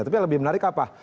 tapi lebih menarik apa